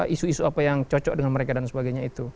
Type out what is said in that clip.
isu isu apa yang cocok dengan mereka dan sebagainya itu